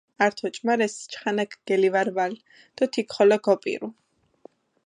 ართ ოჭუმარეს, ჩხანაქ გელივარვალჷ დო თიქ ხოლო გოპირუ.